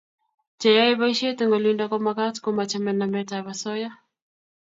Che yae boishet eng' olindok ko magat ko machame namet ab asoya